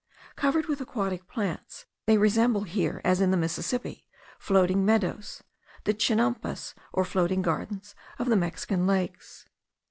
Covered with aquatic plants, they resemble here, as in the Mississippi, floating meadows, the chinampas or floating gardens of the Mexican lakes.